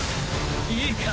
いいか！？